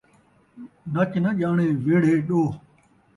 نچ ناں ڄاݨے ویڑھے ݙوہ